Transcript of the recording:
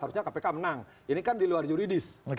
harusnya kpk menang ini kan di luar juridis